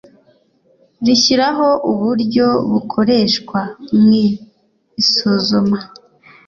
rishyiraho uburyo bukoreshwa mwi isuzuma